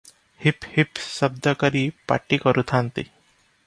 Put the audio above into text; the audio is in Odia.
ହିପ୍ ହିପ୍ ଶବଦ କରି ପାଟି କରୁଥାନ୍ତି ।